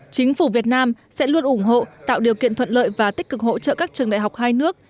chính phủ việt nam sẽ luôn ủng hộ tạo điều kiện thuận lợi và tích cực hỗ trợ các trường đại học hai nước